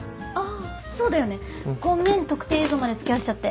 あそうだよね。ごめん特典映像まで付き合わせちゃって。